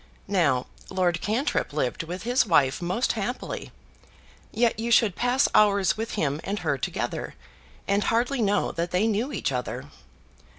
Now Lord Cantrip lived with his wife most happily; yet you should pass hours with him and her together, and hardly know that they knew each other.